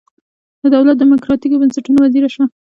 د دولت د دموکراتیکو بنسټونو وزیره شوه.